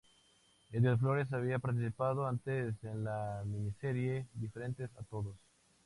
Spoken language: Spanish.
Édgar Flores había participado antes en la miniserie "Diferentes a todos".